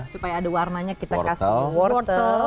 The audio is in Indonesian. supaya ada warnanya kita kasih wortel